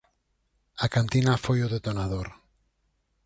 A cantina foi o detonador.